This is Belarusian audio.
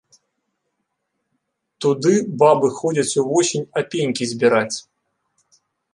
Туды бабы ходзяць увосень апенькі збіраць.